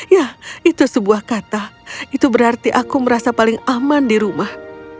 ya itu sebuah kata itu berarti aku merasa paling aman di rumah